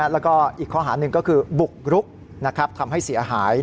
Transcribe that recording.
แล้วก็อีกข้อหาหนึ่งก็คือบุกรุกทำให้เสียหาย